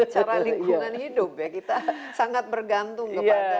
secara lingkungan hidup ya kita sangat bergantung kepada